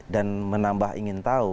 dan menambah ingin tahu